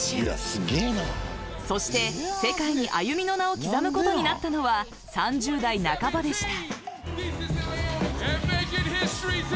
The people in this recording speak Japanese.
そして、世界にあゆみの名を刻むことになったのは３０代半ばでした。